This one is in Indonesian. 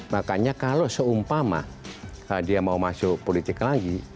makanya kalau seumpama dia mau masuk politik lagi